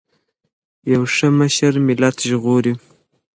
یو ښه مشر ملت ژغوري.